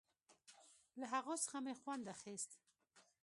له هغو څخه مې خوند اخيست.